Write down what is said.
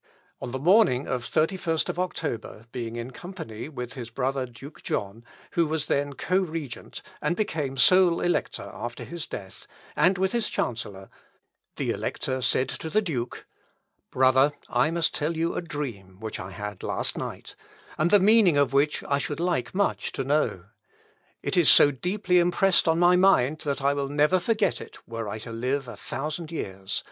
On the morning of the 31st October, being in company with his brother Duke John, who was then co regent, and became sole elector after his death, and with his chancellor, the Elector said to the Duke, "Brother, I must tell you a dream which I had last night, and the meaning of which I should like much to know. It is so deeply impressed on my mind, that I will never forget it, were I to live a thousand years.